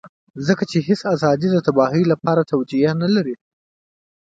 ځکه چې هېڅ ازادي د تباهۍ لپاره توجيه نه لري.